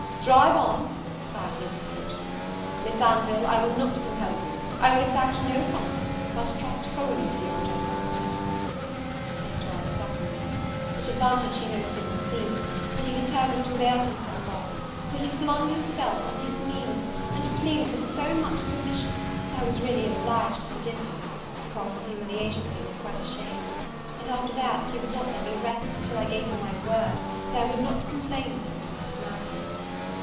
"Drive on!" cried he to the coachman; "Miss Anville, I will not compel you; I will exact no promise, but trust wholly to your generosity." This rather softened me; which advantage he no sooner received, than he determined to avail himself of; for he flung himself on his knees, and pleaded with so much submission, that I was really obliged to forgive him, because his humiliation made me quite ashamed: and, after that, he would not let me rest till I gave him my word that I would not complain of him to Mrs. Mirvan.